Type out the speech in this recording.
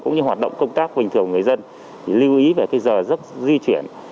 cũng như hoạt động công tác bình thường của người dân lưu ý về cái giờ dốc di chuyển